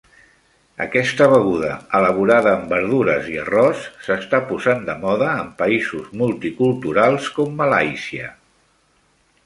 Aquesta beguda elaborada amb verdures i arròs s'està posant de moda en països multiculturals com Malàisia.